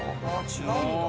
違うんだ。